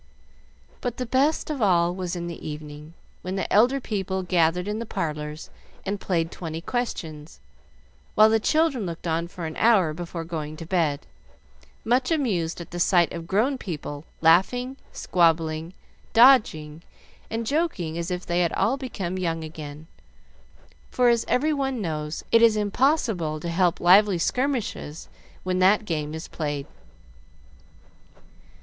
But the best of all was in the evening, when the elder people gathered in the parlors and played Twenty Questions, while the children looked on for an hour before going to bed, much amused at the sight of grown people laughing, squabbling, dodging, and joking as if they had all become young again; for, as every one knows, it is impossible to help lively skirmishes when that game is played.